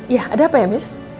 ya ada apa ya miss